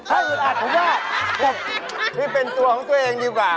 ถ้าอึดอัดผมว่าให้เป็นตัวของตัวเองดีกว่า